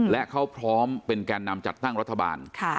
และเขาพร้อมเป็นแก่นำจัดตั้งรัฐบาล